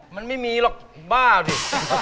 มันไม่มีหรอกบ้าดิ